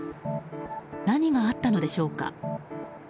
何があったのでしょうか。